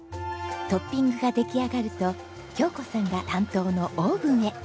トッピングが出来上がると京子さんが担当のオーブンへ。